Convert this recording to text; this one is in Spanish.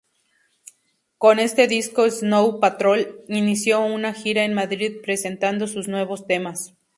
Con este disco Snow Patrol inició una gira en Madrid presentando sus nuevos temas.